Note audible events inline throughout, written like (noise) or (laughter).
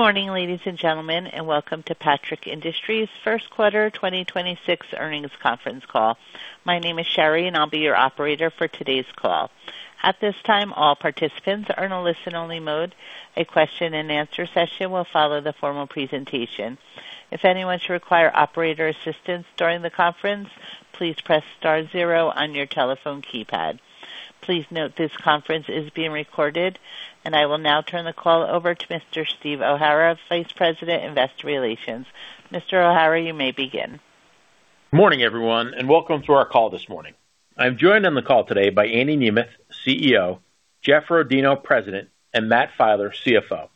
Good morning, ladies and gentlemen, and welcome to Patrick Industries' first quarter 2026 earnings conference call. My name is Sherry, and I'll be your operator for today's call. At this time, all participants are in a listen-only mode. A question-and-answer session will follow the formal presentation. If anyone should require operator assistance during the conference, please press star zero on your telephone keypad. Please note this conference is being recorded, and I will now turn the call over to Mr. Steve O'Hara, Vice President, Investor Relations. Mr. O'Hara, you may begin. Morning, everyone, and welcome to our call this morning. I'm joined on the call today by Andy Nemeth, CEO, Jeff Rodino, President, and Matt Filer, CFO.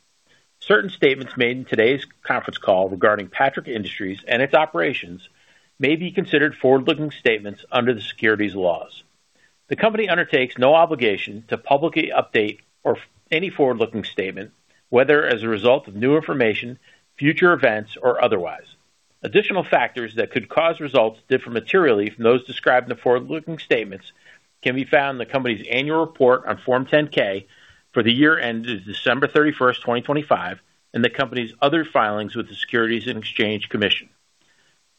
Certain statements made in today's conference call regarding Patrick Industries and its operations may be considered forward-looking statements under the securities laws. The company undertakes no obligation to publicly update any forward-looking statement, whether as a result of new information, future events, or otherwise. Additional factors that could cause results to differ materially from those described in the forward-looking statements can be found in the company's annual report on Form 10-K for the year ended December 31st, 2025, and the company's other filings with the Securities and Exchange Commission.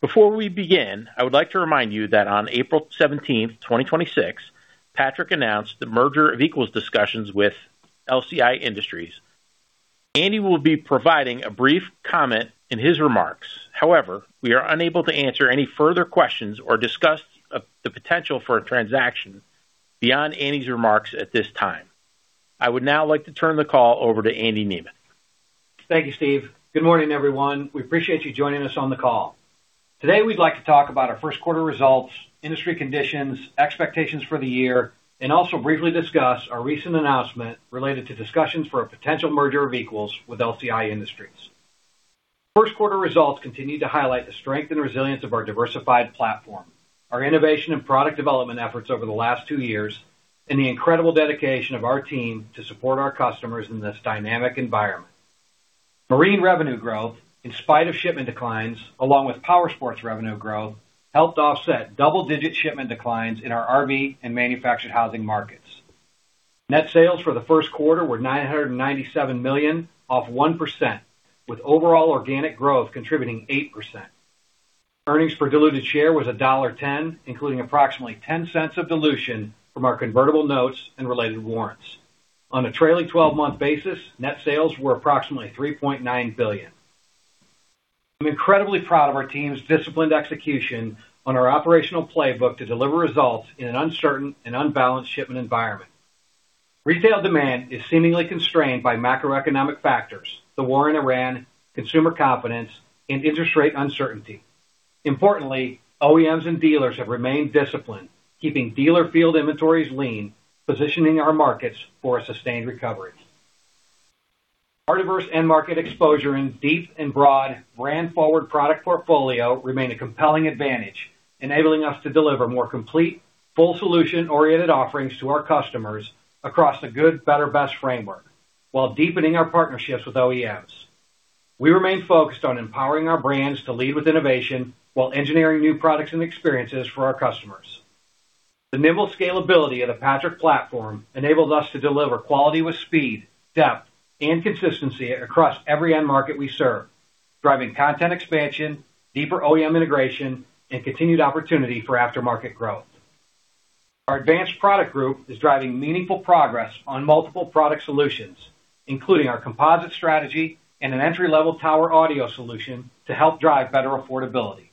Before we begin, I would like to remind you that on April 17th, 2026, Patrick announced the merger of equals discussions with LCI Industries. Andy will be providing a brief comment in his remarks. However, we are unable to answer any further questions or discuss the potential for a transaction beyond Andy's remarks at this time. I would now like to turn the call over to Andy Nemeth. Thank you, Steve. Good morning, everyone. We appreciate you joining us on the call. Today, we'd like to talk about our first quarter results, industry conditions, expectations for the year, and also briefly discuss our recent announcement related to discussions for a potential merger of equals with LCI Industries. First quarter results continued to highlight the strength and resilience of our diversified platform, our innovation and product development efforts over the last two years, and the incredible dedication of our team to support our customers in this dynamic environment. Marine revenue growth, in spite of shipment declines, along with powersports revenue growth, helped offset double-digit shipment declines in our RV and manufactured housing markets. Net sales for the first quarter were $997 million, off 1%, with overall organic growth contributing 8%. Earnings per diluted share was $1.10, including approximately $0.10 of dilution from our convertible notes and related warrants. On a trailing 12 month basis, net sales were approximately $3.9 billion. I'm incredibly proud of our team's disciplined execution on our operational playbook to deliver results in an uncertain and unbalanced shipment environment. Retail demand is seemingly constrained by macroeconomic factors, the war in Ukraine, consumer confidence, and interest rate uncertainty. Importantly, OEMs and dealers have remained disciplined, keeping dealer field inventories lean, positioning our markets for a sustained recovery. Our diverse end market exposure and deep and broad brand forward product portfolio remain a compelling advantage, enabling us to deliver more complete, full solution-oriented offerings to our customers across the good, better, best framework while deepening our partnerships with OEMs. We remain focused on empowering our brands to lead with innovation while engineering new products and experiences for our customers. The nimble scalability of the Patrick platform enables us to deliver quality with speed, depth, and consistency across every end market we serve, driving content expansion, deeper OEM integration, and continued opportunity for aftermarket growth. Our advanced product group is driving meaningful progress on multiple product solutions, including our composite strategy and an entry-level tower audio solution to help drive better affordability.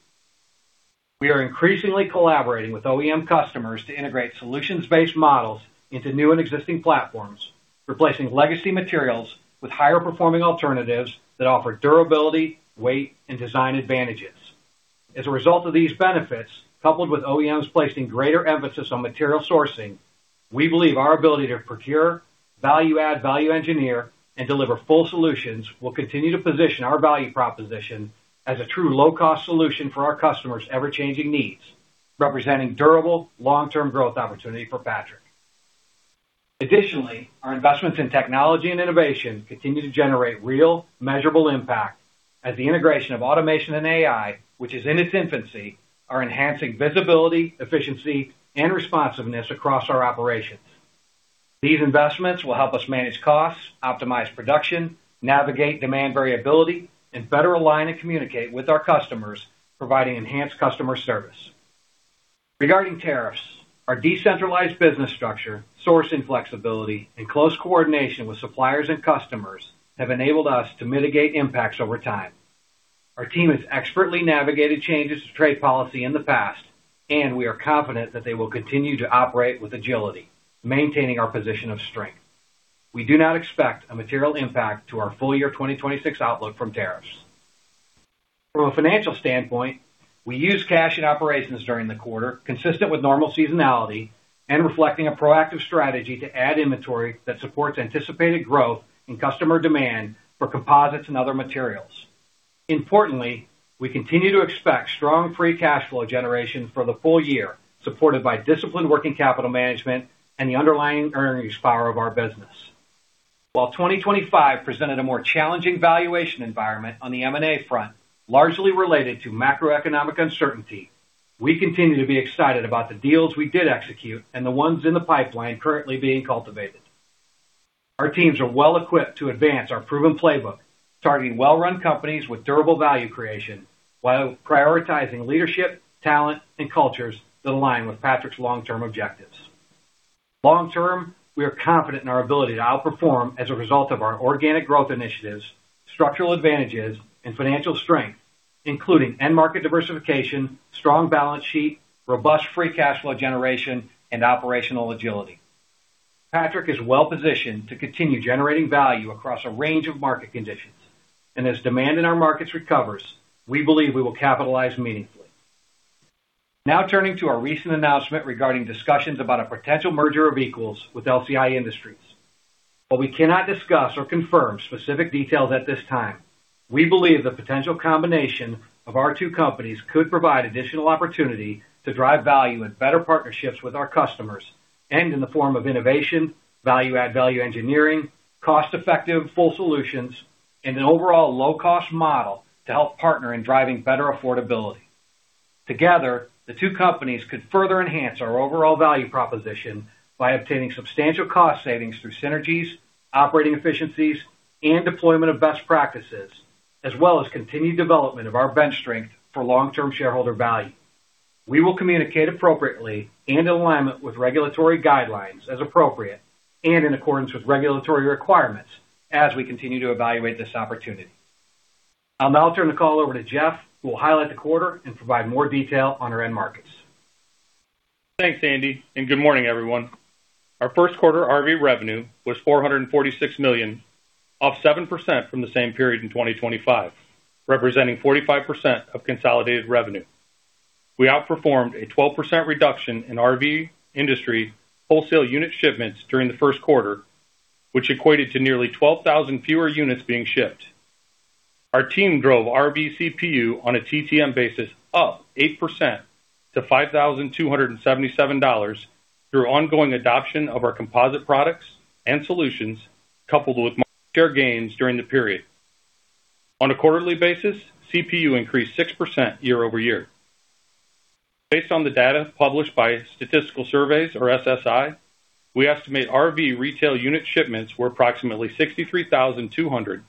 We are increasingly collaborating with OEM customers to integrate solutions-based models into new and existing platforms, replacing legacy materials with higher performing alternatives that offer durability, weight, and design advantages. As a result of these benefits, coupled with OEMs placing greater emphasis on material sourcing, we believe our ability to procure, value add, value engineer, and deliver full solutions will continue to position our value proposition as a true low-cost solution for our customers' ever-changing needs, representing durable long-term growth opportunity for Patrick. Additionally, our investments in technology and innovation continue to generate real, measurable impact as the integration of automation and AI, which is in its infancy, are enhancing visibility, efficiency, and responsiveness across our operations. These investments will help us manage costs, optimize production, navigate demand variability, and better align and communicate with our customers, providing enhanced customer service. Regarding tariffs, our decentralized business structure, sourcing flexibility, and close coordination with suppliers and customers have enabled us to mitigate impacts over time. Our team has expertly navigated changes to trade policy in the past, and we are confident that they will continue to operate with agility, maintaining our position of strength. We do not expect a material impact to our full year 2026 outlook from tariffs. From a financial standpoint, we used cash in operations during the quarter, consistent with normal seasonality and reflecting a proactive strategy to add inventory that supports anticipated growth in customer demand for composites and other materials. Importantly, we continue to expect strong free cash flow generation for the full year, supported by disciplined working capital management and the underlying earnings power of our business. While 2025 presented a more challenging valuation environment on the M&A front, largely related to macroeconomic uncertainty. We continue to be excited about the deals we did execute and the ones in the pipeline currently being cultivated. Our teams are well-equipped to advance our proven playbook, targeting well-run companies with durable value creation, while prioritizing leadership, talent, and cultures that align with Patrick's long-term objectives. Long term, we are confident in our ability to outperform as a result of our organic growth initiatives, structural advantages, and financial strength, including end market diversification, strong balance sheet, robust free cash flow generation, and operational agility. Patrick is well-positioned to continue generating value across a range of market conditions. As demand in our markets recovers, we believe we will capitalize meaningfully. Now turning to our recent announcement regarding discussions about a potential merger of equals with LCI Industries. While we cannot discuss or confirm specific details at this time, we believe the potential combination of our two companies could provide additional opportunity to drive value and better partnerships with our customers, and in the form of innovation, value-add value engineering, cost-effective full solutions, and an overall low-cost model to help partner in driving better affordability. Together, the two companies could further enhance our overall value proposition by obtaining substantial cost savings through synergies, operating efficiencies, and deployment of best practices, as well as continued development of our bench strength for long-term shareholder value. We will communicate appropriately and in alignment with regulatory guidelines as appropriate, and in accordance with regulatory requirements as we continue to evaluate this opportunity. I'll now turn the call over to Jeff, who will highlight the quarter and provide more detail on our end markets. Thanks, Andy, and good morning, everyone. Our first quarter RV revenue was $446 million, off 7% from the same period in 2025, representing 45% of consolidated revenue. We outperformed a 12% reduction in RV industry wholesale unit shipments during the first quarter, which equated to nearly 12,000 fewer units being shipped. Our team drove RV CPU on a TTM basis up 8% to $5,277 through ongoing adoption of our composite products and solutions, coupled with market share gains during the period. On a quarterly basis, CPU increased 6% year-over-year. Based on the data published by Statistical Surveys or SSI, we estimate RV retail unit shipments were approximately 63,200.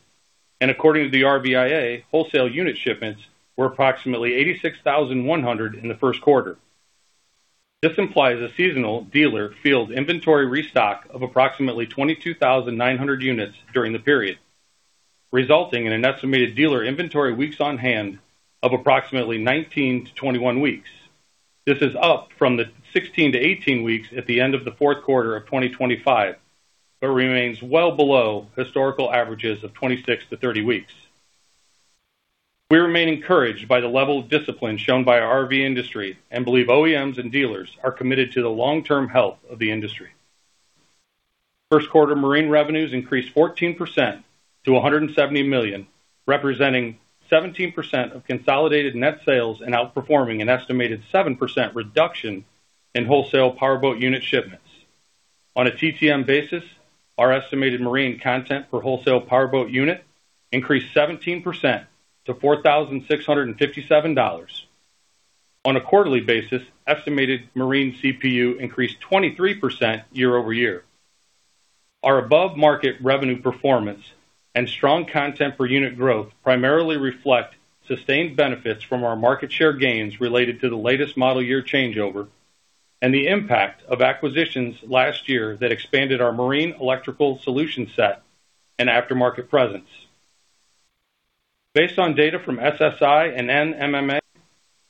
According to the RVIA, wholesale unit shipments were approximately 86,100 in the first quarter. This implies a seasonal dealer field inventory restock of approximately 22,900 units during the period, resulting in an estimated dealer inventory weeks on hand of approximately 19-21 weeks. This is up from the 16-18 weeks at the end of the fourth quarter of 2025, but remains well below historical averages of 26-30 weeks. We remain encouraged by the level of discipline shown by our RV industry and believe OEMs and dealers are committed to the long-term health of the industry. First quarter marine revenues increased 14% to $170 million, representing 17% of consolidated net sales and outperforming an estimated 7% reduction in wholesale powerboat unit shipments. On a TTM basis, our estimated marine content per wholesale powerboat unit increased 17% to $4,657. On a quarterly basis, estimated marine CPU increased 23% year over year. Our above-market revenue performance and strong content per unit growth primarily reflect sustained benefits from our market share gains related to the latest model year changeover and the impact of acquisitions last year that expanded our marine electrical solution set and aftermarket presence. Based on data from SSI and NMMA,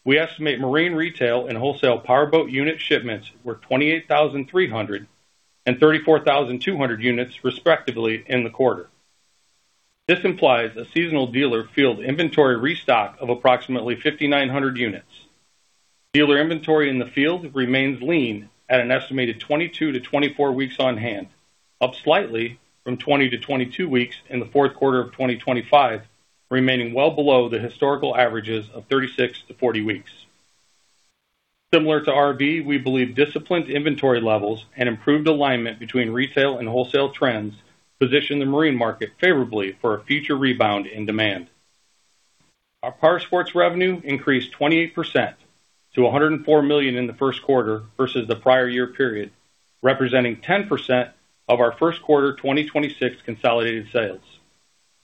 we estimate marine retail and wholesale powerboat unit shipments were 28,300 and 34,200 units, respectively, in the quarter. This implies a seasonal dealer field inventory restock of approximately 5,900 units. Dealer inventory in the field remains lean at an estimated 22-24 weeks on hand, up slightly from 20-22 weeks in the fourth quarter of 2025, remaining well below the historical averages of 36-40 weeks. Similar to RV, we believe disciplined inventory levels and improved alignment between retail and wholesale trends position the marine market favorably for a future rebound in demand. Our powersports revenue increased 28%-$104 million in the first quarter versus the prior year period, representing 10% of our first quarter 2026 consolidated sales.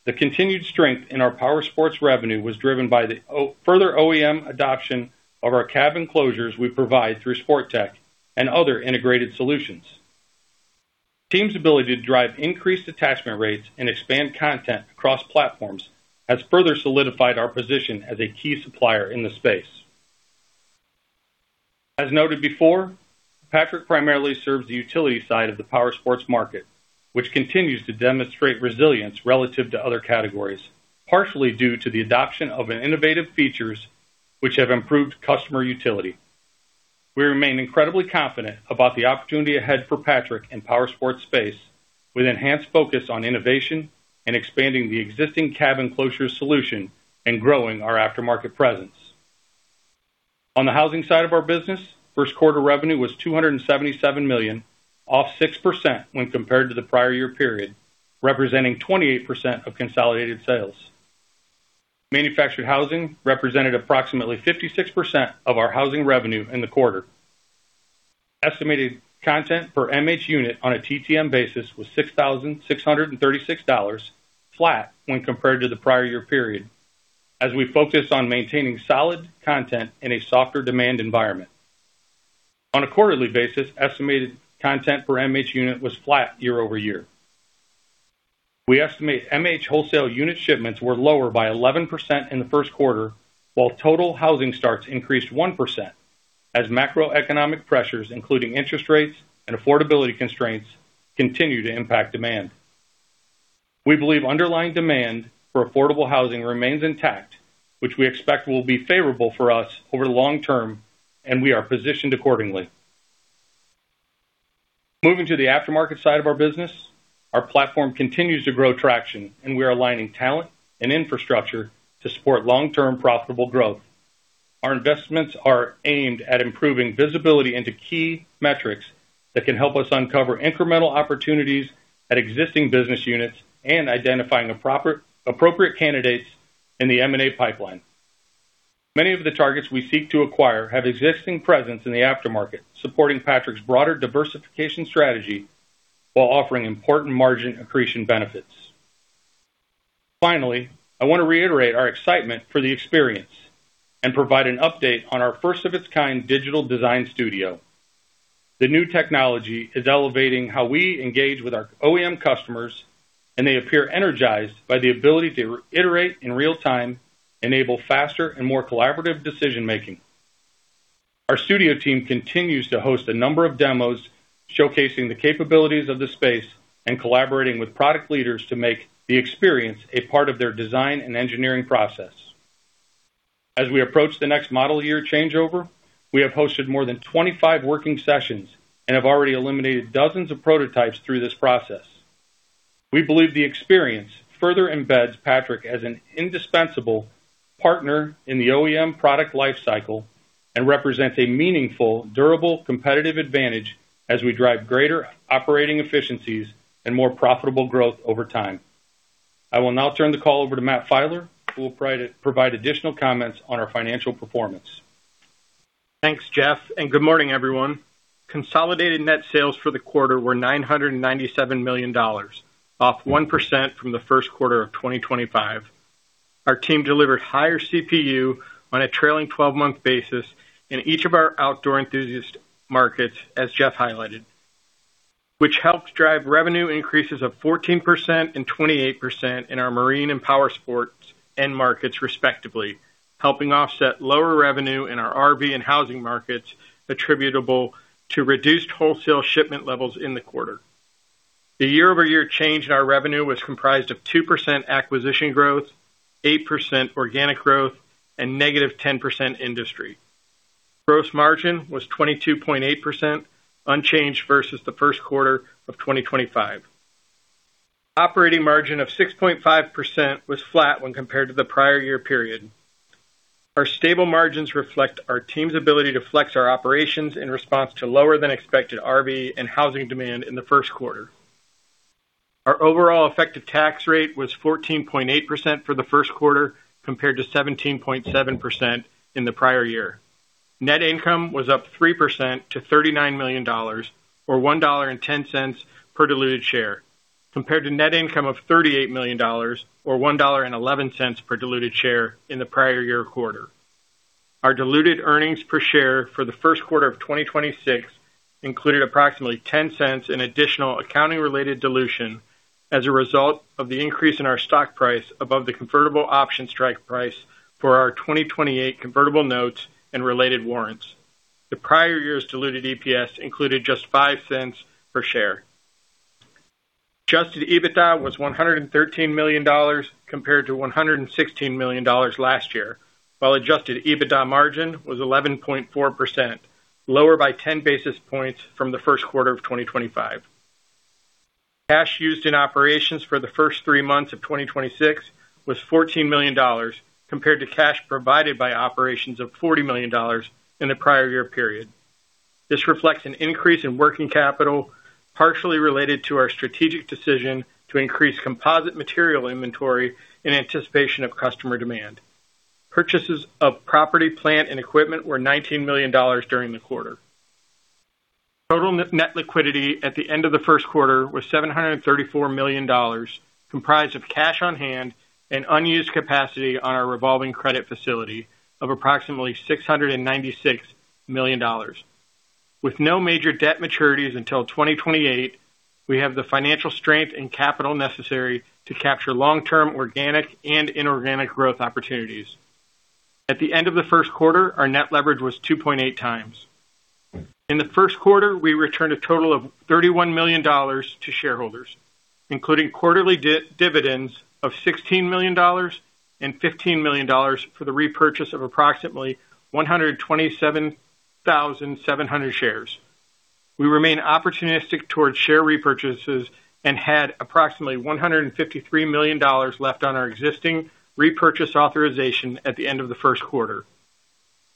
The continued strength in our powersports revenue was driven by the further OEM adoption of our cabin closures we provide through Sportech and other integrated solutions. Team's ability to drive increased attachment rates and expand content across platforms has further solidified our position as a key supplier in the space. As noted before, Patrick primarily serves the utility side of the powersports market, which continues to demonstrate resilience relative to other categories, partially due to the adoption of an innovative features which have improved customer utility. We remain incredibly confident about the opportunity ahead for Patrick in powersports space, with enhanced focus on innovation and expanding the existing cabin closures solution and growing our aftermarket presence. On the housing side of our business, first quarter revenue was $277 million, off 6% when compared to the prior year period. Representing 28% of consolidated sales. Manufactured housing represented approximately 56% of our housing revenue in the quarter. Estimated content per MH unit on a TTM basis was $6,636, flat when compared to the prior year period, as we focus on maintaining solid content in a softer demand environment. On a quarterly basis, estimated content per MH unit was flat year-over-year. We estimate MH wholesale unit shipments were lower by 11% in the first quarter, while total housing starts increased 1% as macroeconomic pressures, including interest rates and affordability constraints, continue to impact demand. We believe underlying demand for affordable housing remains intact, which we expect will be favorable for us over long term, and we are positioned accordingly. Moving to the aftermarket side of our business, our platform continues to grow traction, and we are aligning talent and infrastructure to support long-term profitable growth. Our investments are aimed at improving visibility into key metrics that can help us uncover incremental opportunities at existing business units and identifying the appropriate candidates in the M&A pipeline. Many of the targets we seek to acquire have existing presence in the aftermarket, supporting Patrick's broader diversification strategy while offering important margin accretion benefits. Finally, I want to reiterate our excitement for The Experience and provide an update on our first of its kind digital design studio. The new technology is elevating how we engage with our OEM customers, and they appear energized by the ability to iterate in real time, enable faster and more collaborative decision-making. Our studio team continues to host a number of demos showcasing the capabilities of the space and collaborating with product leaders to make The Experience a part of their design and engineering process. As we approach the next model year changeover, we have hosted more than 25 working sessions and have already eliminated dozens of prototypes through this process. We believe The Experience further embeds Patrick as an indispensable partner in the OEM product life cycle and represents a meaningful, durable, competitive advantage as we drive greater operating efficiencies and more profitable growth over time. I will now turn the call over to Matt Filer, who will provide additional comments on our financial performance. Thanks, Jeff. Good morning, everyone. Consolidated net sales for the quarter were $997 million, off 1% from the first quarter of 2025. Our team delivered higher CPU on a trailing 12 month basis in each of our outdoor enthusiast markets, as Jeff highlighted. Which helped drive revenue increases of 14% and 28% in our marine and powersports end markets, respectively, helping offset lower revenue in our RV and housing markets attributable to reduced wholesale shipment levels in the quarter. The year-over-year change in our revenue was comprised of 2% acquisition growth, 8% organic growth, and -10% industry. Gross margin was 22.8% unchanged versus the first quarter of 2025. Operating margin of 6.5% was flat when compared to the prior year period. Our stable margins reflect our team's ability to flex our operations in response to lower than expected RV and housing demand in the first quarter. Our overall effective tax rate was 14.8% for the first quarter, compared to 17.7% in the prior year. Net income was up 3% to $39 million, or $1.10 per diluted share, compared to net income of $38 million or $1.11 per diluted share in the prior year quarter. Our diluted earnings per share for the first quarter of 2026 included approximately $0.10 in additional accounting-related dilution as a result of the increase in our stock price above the convertible option strike price for our 2028 convertible notes and related warrants. The prior year's diluted EPS included just $0.05 per share. Adjusted EBITDA was $113 million, compared to $116 million last year, while adjusted EBITDA margin was 11.4%, lower by 10 basis points from the first quarter of 2025. Cash used in operations for the first three months of 2026 was $14 million, compared to cash provided by operations of $40 million in the prior year period. This reflects an increase in working capital, partially related to our strategic decision to increase composite material inventory in anticipation of customer demand. Purchases of property, plant, and equipment were $19 million during the quarter. Total net liquidity at the end of the first quarter was $734 million, comprised of cash on hand and unused capacity on our revolving credit facility of approximately $696 million. With no major debt maturities until 2028, we have the financial strength and capital necessary to capture long-term organic and inorganic growth opportunities. At the end of the first quarter, our net leverage was 2.8x. In the first quarter, we returned a total of $31 million to shareholders, including quarterly dividends of $16 million and $15 million for the repurchase of approximately 127,700 shares. We remain opportunistic towards share repurchases and had approximately $153 million left on our existing repurchase authorization at the end of the first quarter.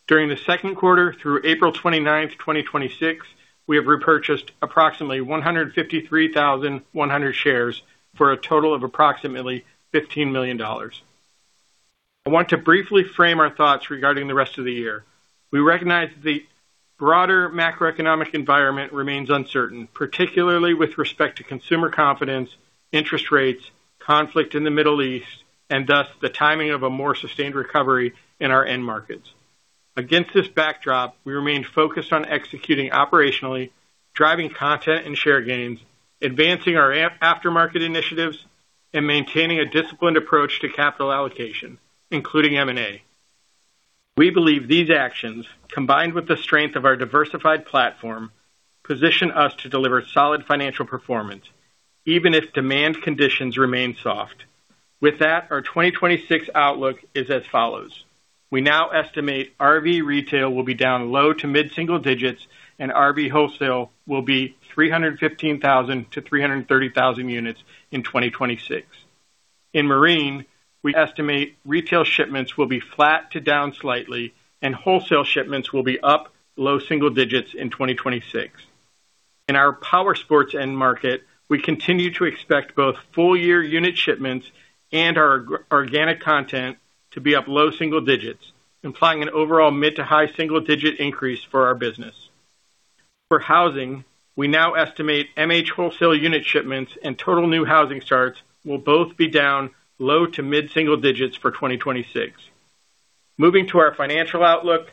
During the second quarter through April 29th, 2026, we have repurchased approximately 153,100 shares for a total of approximately $15 million. I want to briefly frame our thoughts regarding the rest of the year. We recognize the broader macroeconomic environment remains uncertain, particularly with respect to consumer confidence, interest rates, conflict in the Middle East, and thus the timing of a more sustained recovery in our end markets. Against this backdrop, we remain focused on executing operationally, driving content and share gains, advancing our aftermarket initiatives, and maintaining a disciplined approach to capital allocation, including M&A. We believe these actions, combined with the strength of our diversified platform, position us to deliver solid financial performance, even if demand conditions remain soft. With that, our 2026 outlook is as follows. We now estimate RV retail will be down low to mid single-digits, and RV wholesale will be 315,000 units-330,000 units in 2026. In marine, we estimate retail shipments will be flat to down slightly, and wholesale shipments will be up low single-digits in 2026. In our powersports end market, we continue to expect both full-year unit shipments and our organic content to be up low single-digits, implying an overall mid to high single-digit increase for our business. For housing, we now estimate MH wholesale unit shipments and total new housing starts will both be down low to mid single-digits for 2026. Moving to our financial outlook.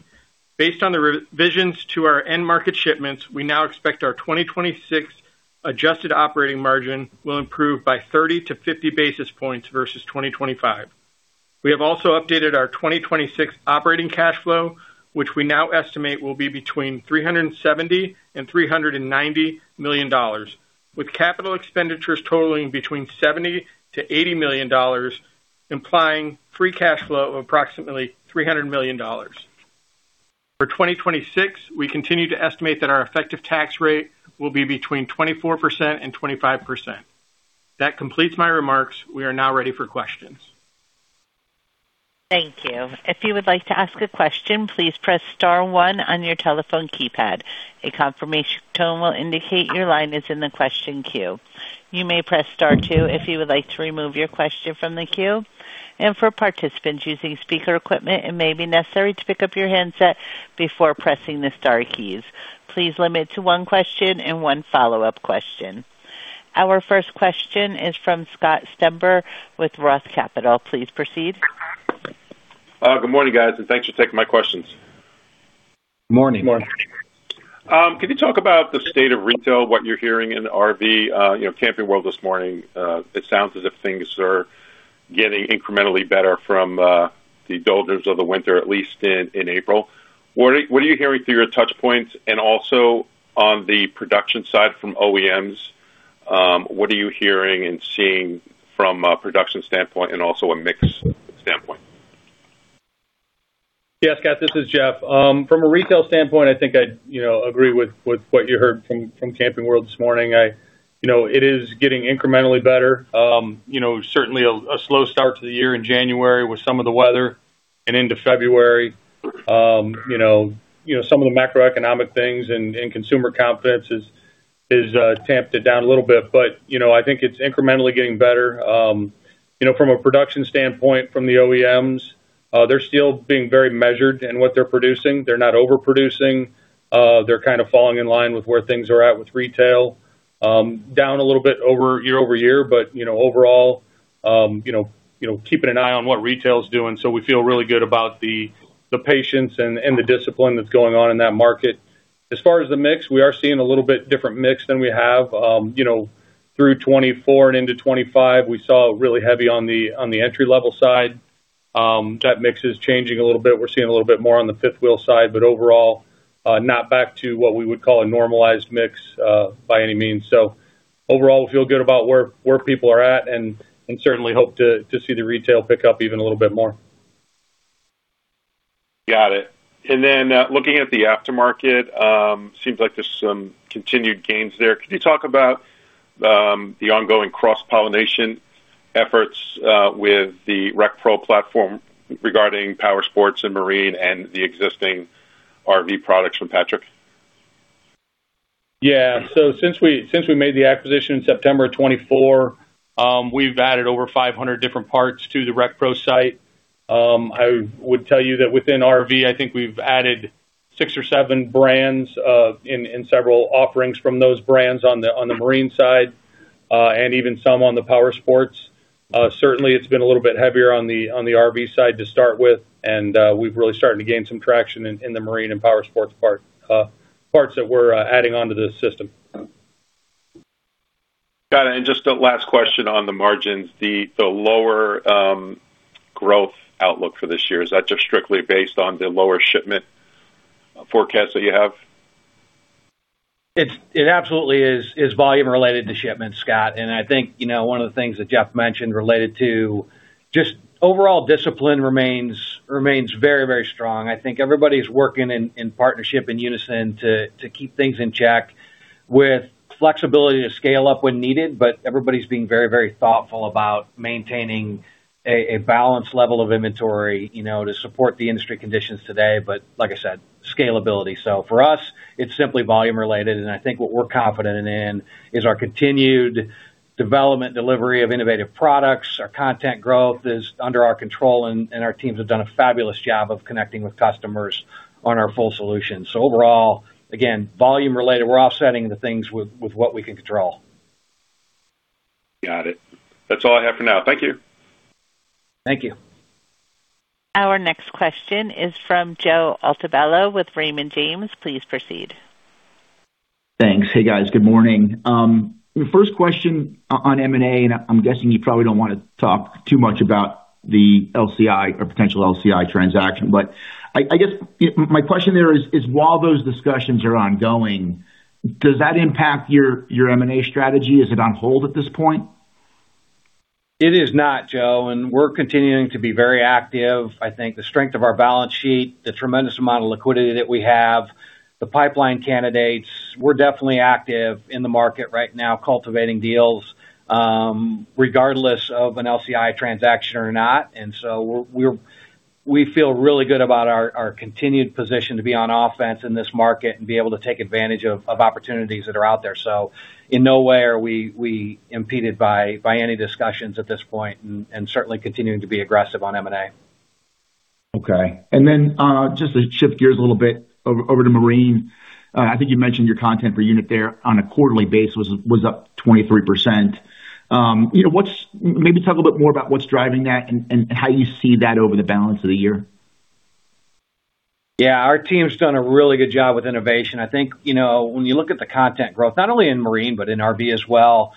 Based on the revisions to our end market shipments, we now expect our 2026 adjusted operating margin will improve by 30-50 basis points versus 2025. We have also updated our 2026 operating cash flow, which we now estimate will be between $370 million and $390 million, with capital expenditures totaling between $70 million-$80 million, implying free cash flow of approximately $300 million. For 2026, we continue to estimate that our effective tax rate will be between 24% and 25%. That completes my remarks. We are now ready for questions. Thank you. If you would like to ask a question, please press star one on your telephone keypad. A confirmation tone will indicate your line is in the question queue. You may press star two if you would like to remove your question from the queue. For participants using speaker equipment, it may be necessary to pick up your handset before pressing the star keys. Please limit to one question and one follow-up question. Our first question is from Scott Stember with Roth Capital. Please proceed. Good morning, guys, thanks for taking my questions. Morning. Morning. Can you talk about the state of retail, what you're hearing in RV? You know, Camping World this morning, it sounds as if things are getting incrementally better from the doldrums of the winter, at least in April. What are you hearing through your touch points? Also on the production side from OEMs, what are you hearing and seeing from a production standpoint and also a mix standpoint? Yeah, Scott, this is Jeff. From a retail standpoint, I think I'd, you know, agree with what you heard from Camping World this morning. You know, it is getting incrementally better. You know, certainly a slow start to the year in January with some of the weather and into February. You know, some of the macroeconomic things and consumer confidence is tamped it down a little bit. You know, I think it's incrementally getting better. You know, from a production standpoint, from the OEMs, they're still being very measured in what they're producing. They're not overproducing. They're kind of falling in line with where things are at with retail, down a little bit over year-over-year. You know, overall, you know, you know, keeping an eye on what retail is doing, so we feel really good about the patience and the discipline that's going on in that market. As far as the mix, we are seeing a little bit different mix than we have. You know, through 2024 and into 2025, we saw really heavy on the entry-level side. That mix is changing a little bit. We're seeing a little bit more on the fifth wheel side. Overall, not back to what we would call a normalized mix by any means. Overall, we feel good about where people are at and certainly hope to see the retail pick up even a little bit more. Got it. Looking at the aftermarket, seems like there's some continued gains there. Can you talk about the ongoing cross-pollination efforts with the RecPro platform regarding powersports and marine and the existing RV products from Patrick? Since we made the acquisition in September of 2024, we've added over 500 different parts to the RecPro site. I would tell you that within RV, I think we've added six or seven brands, in several offerings from those brands on the marine side, and even some on the powersports. Certainly it's been a little bit heavier on the RV side to start with, and we've really started to gain some traction in the marine and powersports parts that we're adding onto the system. Got it. Just a last question on the margins. The, the lower growth outlook for this year, is that just strictly based on the lower shipment forecast that you have? It absolutely is volume related to shipments, Scott. I think, you know, one of the things that Jeff mentioned related to just overall discipline remains very, very strong. I think everybody's working in partnership in unison to keep things in check. With flexibility to scale up when needed, everybody's being very, very thoughtful about maintaining a balanced level of inventory, you know, to support the industry conditions today. Like I said, scalability. For us, it's simply volume related, and I think what we're confident in is our continued development, delivery of innovative products. Our content growth is under our control, and our teams have done a fabulous job of connecting with customers on our full solution. Overall, again, volume related, we're offsetting the things with what we can control. Got it. That's all I have for now. Thank you. Thank you. Our next question is from Joe Altobello with Raymond James. Please proceed. Thanks. Hey, guys. Good morning. The first question on M&A, I'm guessing you probably don't wanna talk too much about the LCI or potential LCI transaction, but I guess, my question there is while those discussions are ongoing, does that impact your M&A strategy? Is it on hold at this point? It is not, Joe. We're continuing to be very active. I think the strength of our balance sheet, the tremendous amount of liquidity that we have, the pipeline candidates, we're definitely active in the market right now, cultivating deals, regardless of an LCI transaction or not. We feel really good about our continued position to be on offense in this market and be able to take advantage of opportunities that are out there. In no way are we impeded by any discussions at this point and certainly continuing to be aggressive on M&A. Okay. Then, just to shift gears a little bit over to marine. I think you mentioned your content per unit there on a quarterly base was up 23%. You know, what's maybe talk a little bit more about what's driving that and how you see that over the balance of the year? Yeah. Our team's done a really good job with innovation. I think, you know, when you look at the content growth, not only in marine, but in RV as well,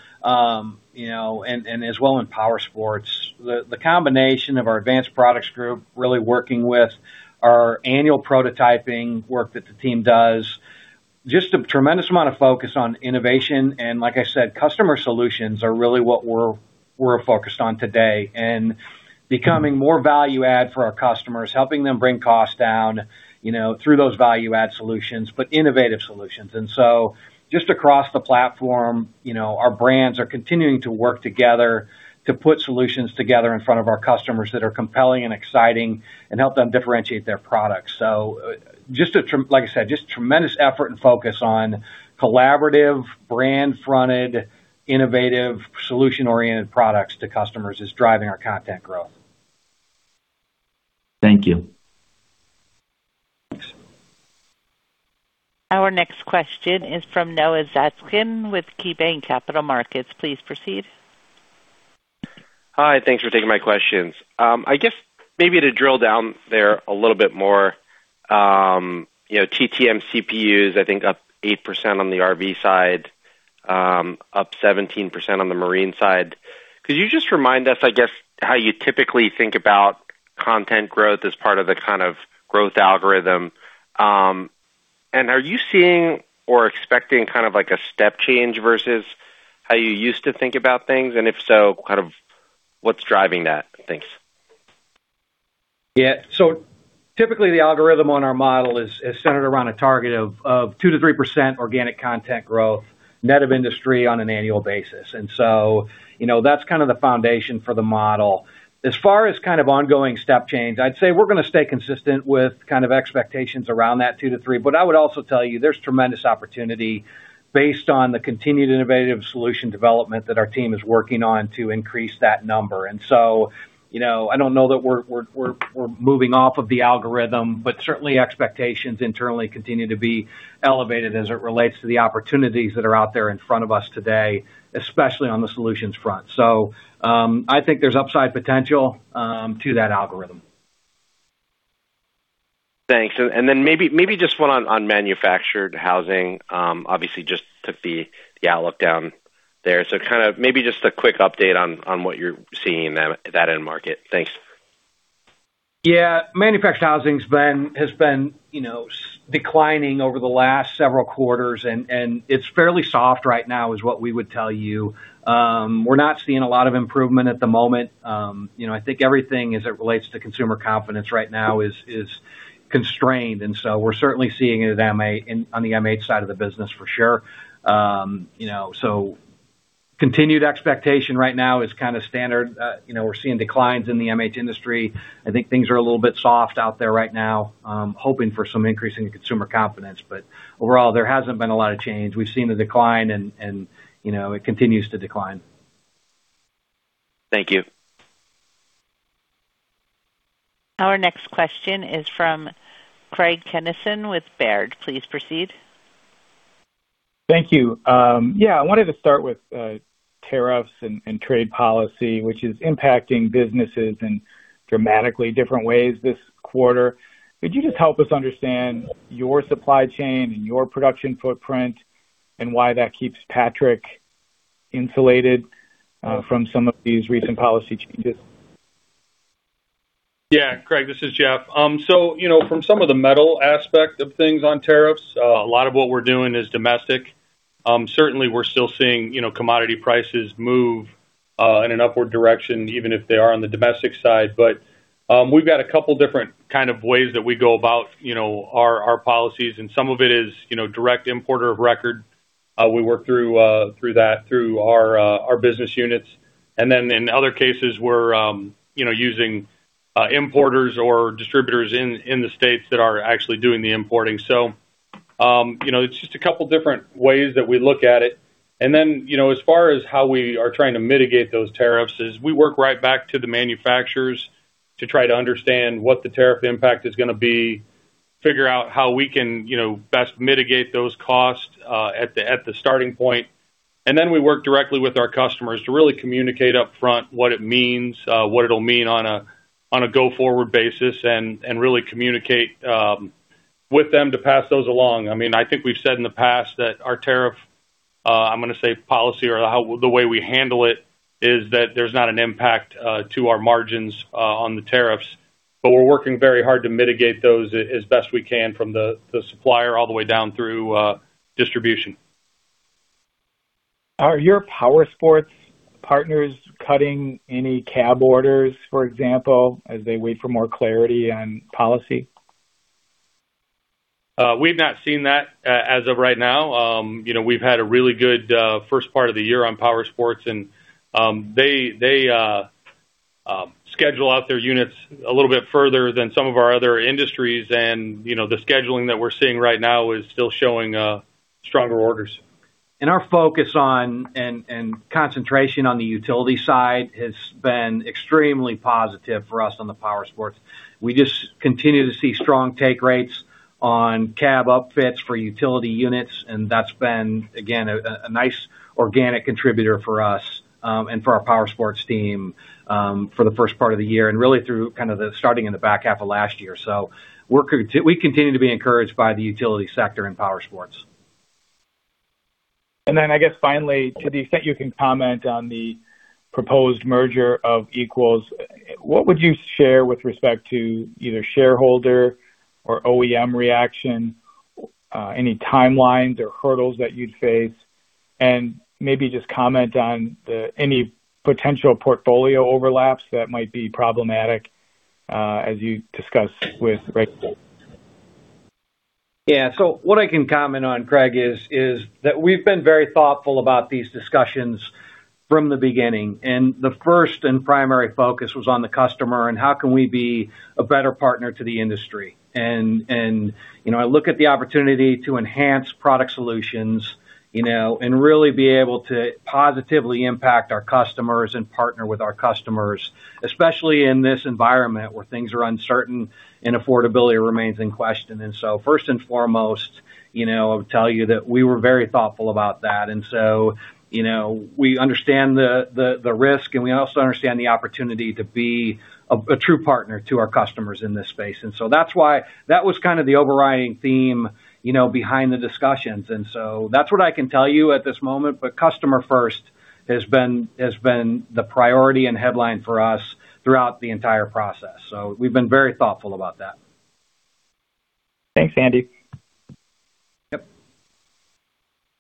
you know, as well in powersports. The combination of our advanced products group really working with our annual prototyping work that the team does, just a tremendous amount of focus on innovation. Like I said, customer solutions are really what we're focused on today and becoming more value add for our customers, helping them bring costs down, you know, through those value add solutions, but innovative solutions. Just across the platform, you know, our brands are continuing to work together to put solutions together in front of our customers that are compelling and exciting and help them differentiate their products. Just like I said, just tremendous effort and focus on collaborative, brand-fronted, innovative, solution-oriented products to customers is driving our content growth. Thank you. Thanks. Our next question is from Noah Zatzkin with KeyBanc Capital Markets. Please proceed. Hi. Thanks for taking my questions. I guess maybe to drill down there a little bit more, you know, TTM CPUs, I think, up 8% on the RV side, up 17% on the marine side. Could you just remind us, I guess, how you typically think about content growth as part of the kind of growth algorithm? Are you seeing or expecting kind of like a step change versus how you used to think about things? And if so, kind of what's driving that? Thanks. Yeah. Typically, the algorithm on our model is centered around a target of 2%-3% organic content growth, net of industry on an annual basis. You know, that's kind of the foundation for the model. As far as kind of ongoing step change, I'd say we're gonna stay consistent with kind of expectations around that 2%-3%. I would also tell you, there's tremendous opportunity based on the continued innovative solution development that our team is working on to increase that number. You know, I don't know that we're moving off of the algorithm, but certainly expectations internally continue to be elevated as it relates to the opportunities that are out there in front of us today, especially on the solutions front. I think there's upside potential to that algorithm. Thanks. Then maybe just one on manufactured housing, obviously just to be, yeah, look down there. kind of maybe just a quick update on what you're seeing in that end market. Thanks. Yeah. Manufactured housing's been, you know, declining over the last several quarters, it's fairly soft right now is what we would tell you. We're not seeing a lot of improvement at the moment. You know, I think everything as it relates to consumer confidence right now is constrained, we're certainly seeing it on the MH side of the business for sure. You know, continued expectation right now is kind of standard. You know, we're seeing declines in the MH industry. I think things are a little bit soft out there right now. Hoping for some increase in consumer confidence, overall, there hasn't been a lot of change. We've seen the decline, you know, it continues to decline. Thank you. Our next question is from Craig Kennison with Baird. Please proceed. Thank you. I wanted to start with tariffs and trade policy, which is impacting businesses in dramatically different ways this quarter. Could you just help us understand your supply chain and your production footprint and why that keeps Patrick insulated from some of these recent policy changes? Yeah. Craig, this is Jeff. You know, from some of the metal aspect of things on tariffs, a lot of what we're doing is domestic. Certainly we're still seeing, you know, commodity prices move. In an upward direction, even if they are on the domestic side. We've got a couple different kind of ways that we go about, you know, our policies, and some of it is, you know, direct importer of record. We work through that, through our business units. In other cases, we're, you know, using, importers or distributors in the U.S. that are actually doing the importing. You know, it's just a couple different ways that we look at it. You know, as far as how we are trying to mitigate those tariffs is we work right back to the manufacturers to try to understand what the tariff impact is gonna be, figure out how we can, you know, best mitigate those costs, at the starting point. Then we work directly with our customers to really communicate upfront what it means, what it'll mean on a, on a go-forward basis and really communicate with them to pass those along. I mean, I think we've said in the past that our tariff, I'm gonna say policy or the way we handle it is that there's not an impact to our margins on the tariffs, we're working very hard to mitigate those as best we can from the supplier all the way down through distribution. Are your powersports partners cutting any cab orders, for example, as they wait for more clarity on policy? We've not seen that as of right now. You know, we've had a really good first part of the year on powersports and they schedule out their units a little bit further than some of our other industries. You know, the scheduling that we're seeing right now is still showing stronger orders. Our focus on and concentration on the utility side has been extremely positive for us on the powersports. We just continue to see strong take rates on cab upfits for utility units, and that's been, again, a nice organic contributor for us and for our powersports team for the first part of the year and really through kind of the starting in the back half of last year. We continue to be encouraged by the utility sector in powersports. I guess finally, to the extent you can comment on the proposed merger of LCI, what would you share with respect to either shareholder or OEM reaction, any timelines or hurdles that you'd face? Maybe just comment on any potential portfolio overlaps that might be problematic, as you discuss with. (inaudible) What I can comment on, Craig, is that we've been very thoughtful about these discussions from the beginning, and the first and primary focus was on the customer and how can we be a better partner to the industry. I look at the opportunity to enhance product solutions, you know, and really be able to positively impact our customers and partner with our customers, especially in this environment where things are uncertain and affordability remains in question. First and foremost, you know, I would tell you that we were very thoughtful about that. We understand the risk, and we also understand the opportunity to be a true partner to our customers in this space. That's why that was kind of the overriding theme, you know, behind the discussions. That's what I can tell you at this moment. Customer first has been the priority and headline for us throughout the entire process. We've been very thoughtful about that. Thanks, Andy. Yep.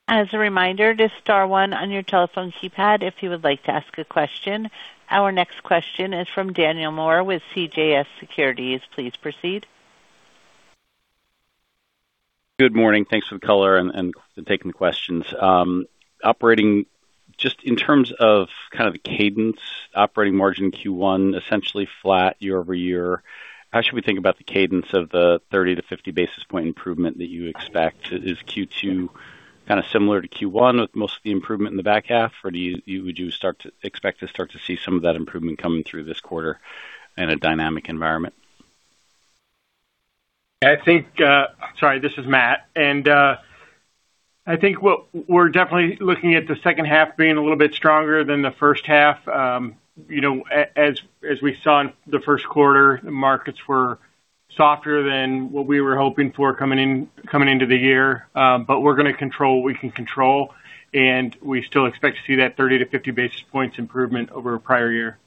As a reminder, just star one on your telephone keypad if you would like to ask a question. Our next question is from Daniel Moore with CJS Securities. Please proceed. Good morning. Thanks for the color and for taking the questions. Operating just in terms of kind of the cadence operating margin Q1 essentially flat year-over-year, how should we think about the cadence of the 30 to 50 basis point improvement that you expect? Is Q2 kind of similar to Q1 with most of the improvement in the back half, or do you expect to start to see some of that improvement coming through this quarter in a dynamic environment? I think, Sorry, this is Matt. I think what we're definitely looking at the second half being a little bit stronger than the first half. You know, as we saw in the first quarter, the markets were softer than what we were hoping for coming in, coming into the year. We're gonna control what we can control, and we still expect to see that 30-50 basis points improvement over prior year.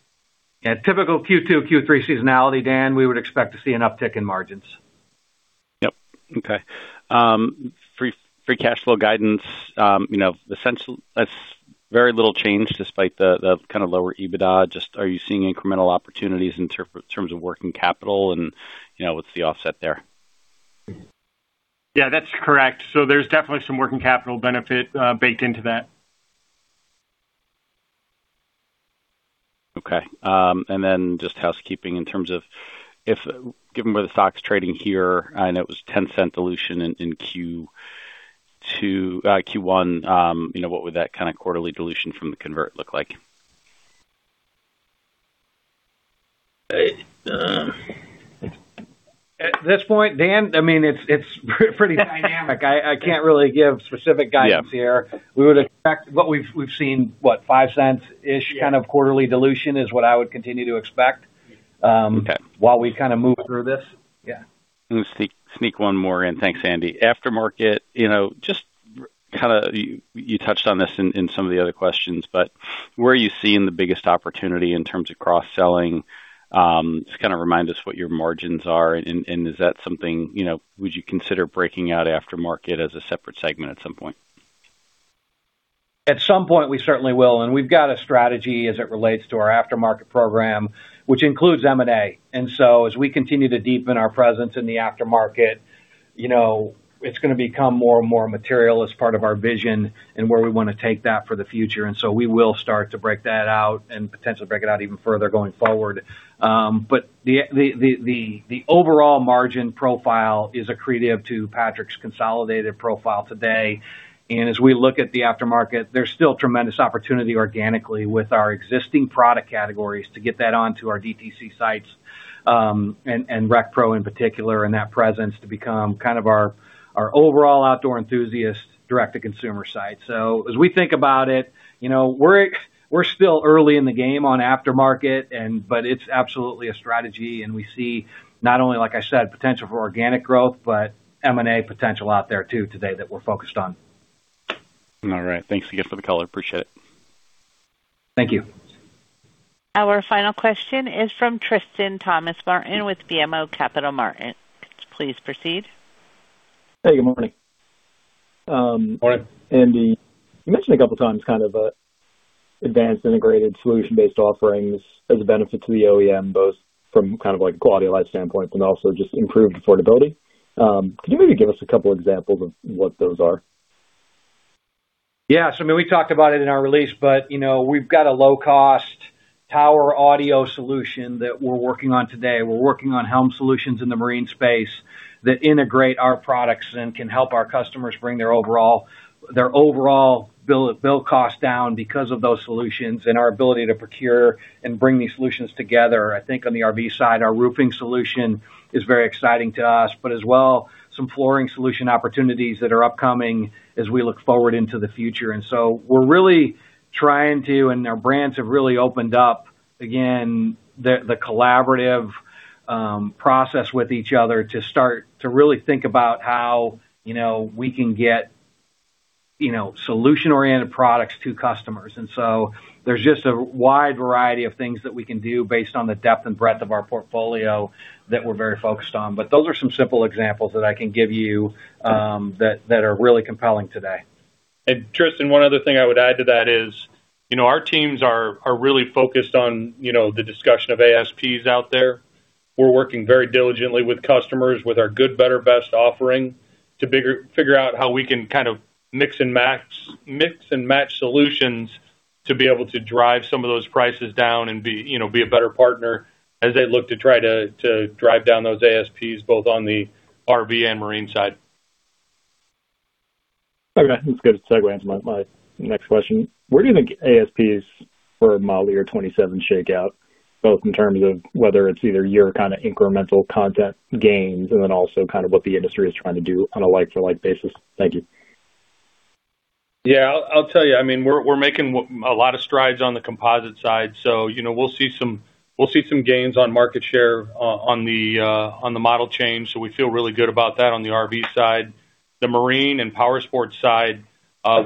Yeah, typical Q2, Q3 seasonality, Dan, we would expect to see an uptick in margins. Yep. Okay. Free cash flow guidance, you know, that's very little change despite the kind of lower EBITDA. Just, are you seeing incremental opportunities in terms of working capital and, you know, what's the offset there? Yeah, that's correct. There's definitely some working capital benefit baked into that. Okay. Just housekeeping in terms of if given where the stock's trading here, I know it was $0.10 dilution in Q2, Q1, you know, what would that kind of quarterly dilution from the convert look like? At this point, Dan, I mean, it's pretty dynamic. I can't really give specific guidance here. Yeah. We would expect what we've seen, what, $0.05-ish kind of quarterly dilution is what I would continue to expect. Okay. While we kind of move through this. Yeah. Let me sneak one more in. Thanks, Andy. Aftermarket, you know, just kinda you touched on this in some of the other questions, but where are you seeing the biggest opportunity in terms of cross-selling? Just kind of remind us what your margins are and is that something, you know, would you consider breaking out aftermarket as a separate segment at some point? At some point, we certainly will. We've got a strategy as it relates to our aftermarket program, which includes M&A. As we continue to deepen our presence in the aftermarket, you know, it's gonna become more and more material as part of our vision and where we wanna take that for the future. We will start to break that out and potentially break it out even further going forward. But the overall margin profile is accretive to Patrick's consolidated profile today. As we look at the aftermarket, there's still tremendous opportunity organically with our existing product categories to get that onto our DTC sites, and RecPro in particular, and that presence to become kind of our overall outdoor enthusiast direct-to-consumer site. As we think about it, you know, we're still early in the game on aftermarket, but it's absolutely a strategy, and we see not only, like I said, potential for organic growth, but M&A potential out there too today that we're focused on. All right. Thanks again for the color. Appreciate it. Thank you. Our final question is from Tristan Thomas-Martin with BMO Capital Markets. Please proceed. Hey, good morning. Morning. Andy, you mentioned a couple times kind of advanced integrated solution-based offerings as a benefit to the OEM, both from kind of like quality of life standpoint and also just improved affordability. Could you maybe give us a couple examples of what those are? Yeah. I mean, we talked about it in our release, but, you know, we've got a low-cost power audio solution that we're working on today. We're working on helm solutions in the marine space that integrate our products and can help our customers bring their overall, their overall bill cost down because of those solutions and our ability to procure and bring these solutions together. I think on the RV side, our roofing solution is very exciting to us, but as well, some flooring solution opportunities that are upcoming as we look forward into the future. We're really trying to, and our brands have really opened up, again, the collaborative process with each other to start to really think about how, you know, we can get, you know, solution-oriented products to customers. There's just a wide variety of things that we can do based on the depth and breadth of our portfolio that we're very focused on. Those are some simple examples that I can give you, that are really compelling today. Tristan, one other thing I would add to that is, you know, our teams are really focused on, you know, the discussion of ASPs out there. We're working very diligently with customers with our good, better, best offering to figure out how we can kind of mix and match solutions to be able to drive some of those prices down and be, you know, be a better partner as they look to try to drive down those ASPs, both on the RV and marine side. Okay. That's good segue into my next question. Where do you think ASPs for model year 2027 shake out, both in terms of whether it's either your kind of incremental content gains and then also kind of what the industry is trying to do on a like-for-like basis? Thank you. Yeah. I'll tell you. I mean, we're making a lot of strides on the composite side. You know, we'll see some gains on market share on the model change, we feel really good about that on the RV side. The marine and powersports side,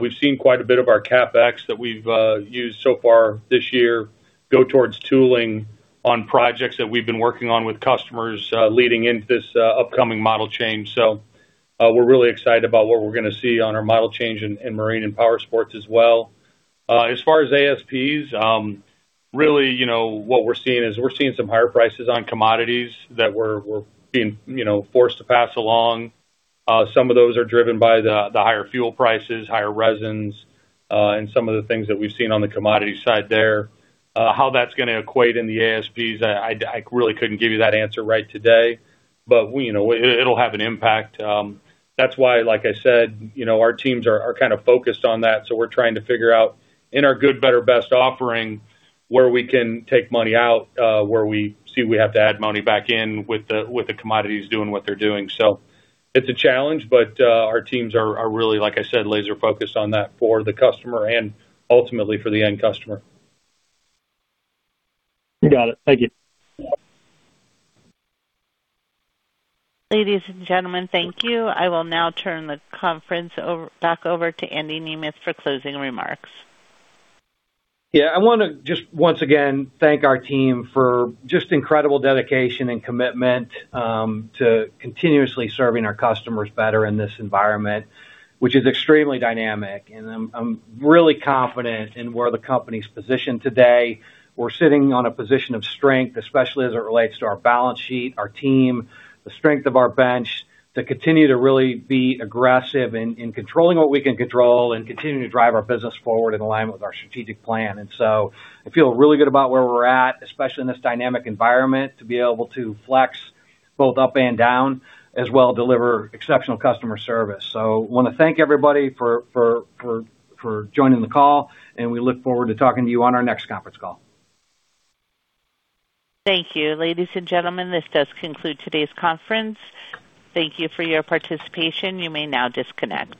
we've seen quite a bit of our CapEx that we've used so far this year go towards tooling on projects that we've been working on with customers leading into this upcoming model change. We're really excited about what we're gonna see on our model change in marine and powersports as well. As far as ASPs, really, you know, what we're seeing is we're seeing some higher prices on commodities that we're being, you know, forced to pass along. Some of those are driven by the higher fuel prices, higher resins, and some of the things that we've seen on the commodity side there. How that's gonna equate in the ASPs, I really couldn't give you that answer right today. We, you know, it'll have an impact. That's why, like I said, you know, our teams are kind of focused on that. We're trying to figure out in our good, better, best offering, where we can take money out, where we see we have to add money back in with the, with the commodities doing what they're doing. It's a challenge, but our teams are really, like I said, laser focused on that for the customer and ultimately for the end customer. Got it. Thank you. Ladies and gentlemen, thank you. I will now turn the conference back over to Andy Nemeth for closing remarks. Yeah. I wanna just once again thank our team for just incredible dedication and commitment to continuously serving our customers better in this environment, which is extremely dynamic. I'm really confident in where the company's positioned today. We're sitting on a position of strength, especially as it relates to our balance sheet, our team, the strength of our bench, to continue to really be aggressive in controlling what we can control and continue to drive our business forward in line with our strategic plan. I feel really good about where we're at, especially in this dynamic environment, to be able to flex both up and down, as well deliver exceptional customer service. Wanna thank everybody for joining the call, and we look forward to talking to you on our next conference call. Thank you. Ladies and gentlemen, this does conclude today's conference. Thank you for your participation. You may now disconnect.